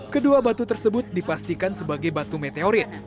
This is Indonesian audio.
kedua batu tersebut dipastikan sebagai batu meteorit